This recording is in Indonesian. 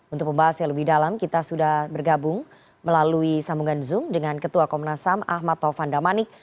untuk pembahas yang lebih dalam kita sudah bergabung melalui sambungan zoom dengan ketua komnas ham ahmad taufan damanik